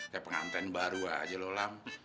ya penganten baru aja lho lam